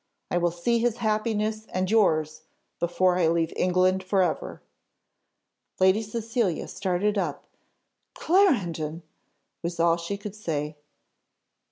I will see his happiness and yours before I leave England for ever!" Lady Cecilia started up: "Clarendon!" was all she could say.